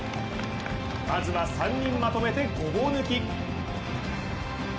まずは３人まとめてごぼう抜き。